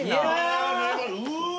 うわ。